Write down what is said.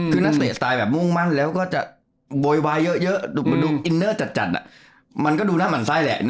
คือนักเตะสไตล์แบบมุ่งมั่นแล้วก็จะโวยวายเยอะดูอินเนอร์จัดมันก็ดูหน้าหมั่นไส้แหละ